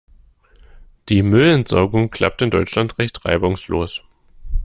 Die Müllentsorgung klappt in Deutschland recht reibungslos.